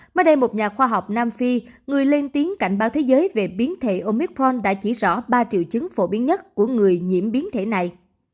mới đây một nhà khoa học nam phi người lên tiếng cảnh báo thế giới về biến thể omithon đã chỉ rõ ba triệu chứng phổ biến nhất của người nhiễm biến thể này